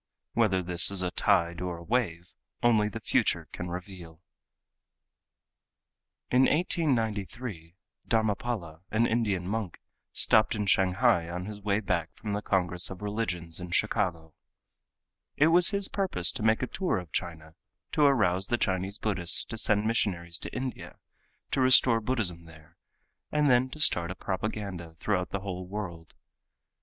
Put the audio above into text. Whether this is a tide, or a wave, only the future can reveal. In 1893 Dharmapala, an Indian monk, stopped in Shanghai on his way back from the Congress of Religions in Chicago. It was his purpose to make a tour of China, to arouse the Chinese Buddhists to send missionaries to India to restore Buddhism there, and then to start a propaganda throughout the whole world.